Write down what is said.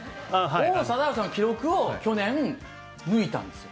王貞治さんの記録を去年、抜いたんですよ。